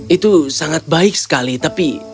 itu sangat baik sekali tapi